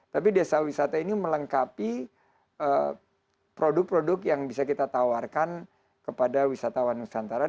tapi desa wisata ini melengkapi produk produk yang bisa kita tawarkan kepada wisatawan nusantara